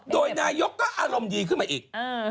โดยนายกก็อารมณ์ดีขึ้นมาอีก